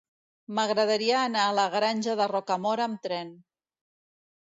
M'agradaria anar a la Granja de Rocamora amb tren.